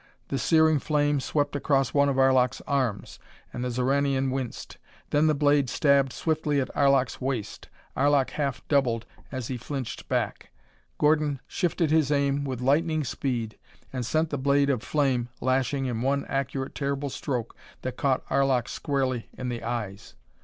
The searing flame swept across one of Arlok's arms, and the Xoranian winced. Then the blade stabbed swiftly at Arlok's waist. Arlok half doubled as he flinched back. Gordon shifted his aim with lightning speed and sent the blade of flame lashing in one accurate terrible stroke that caught Arlok squarely in the eyes.